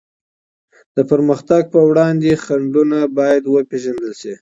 د پرمختګ په وړاندي خنډونه بايد وپېژندل سي.